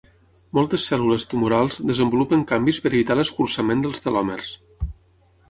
Moltes cèl·lules tumorals desenvolupen canvis per evitar l'escurçament dels telòmers.